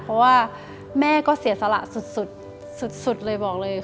เพราะว่าแม่ก็เสียสละสุดเลย